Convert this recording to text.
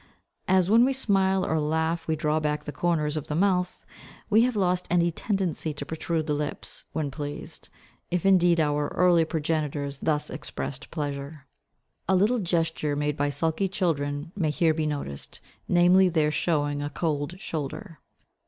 As when we smile or laugh we draw back the corners of the mouth, we have lost any tendency to protrude the lips, when pleased, if indeed our early progenitors thus expressed pleasure. A little gesture made by sulky children may here be noticed, namely, their "showing a cold shoulder."